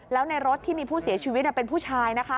แล้วในรถที่มีผู้เสียชีวิตเป็นผู้ชายนะคะ